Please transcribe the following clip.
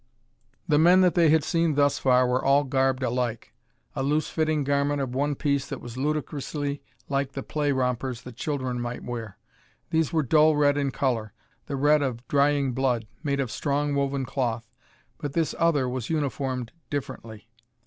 The men that they had seen thus far were all garbed alike; a loose fitting garment of one piece that was ludicrously like the play rompers that children might wear. These were dull red in color, the red of drying blood, made of strong woven cloth. But this other was uniformed differently.